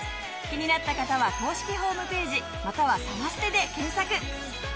気になった方は公式ホームページまたは「サマステ」で検索！